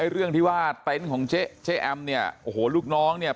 เรื่องที่ว่าเต็นต์ของเจ๊แอมเนี่ยโอ้โหลูกน้องเนี่ย